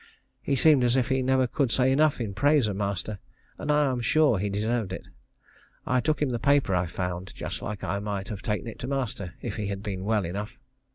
He seemed as if he never could say enough in praise of master, and I am sure he deserved it. I took him the paper I found just like I might have taken it to master if he had been well enough.